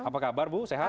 apa kabar bu sehat